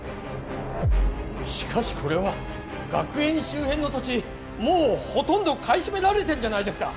しかしこれは学園周辺の土地もうほとんど買い占められてんじゃないですか